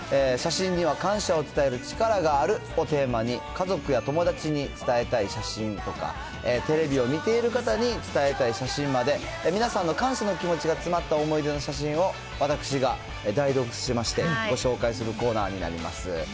写真には感謝を伝える力があるをテーマに、家族や友達に伝えたい写真とか、テレビを見ている方に伝えたい写真まで、皆さんの感謝の気持ちが詰まった思い出の写真を、私が代読しまして、ご紹介するコーナーになります。